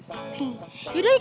yaudah yuk kita jogging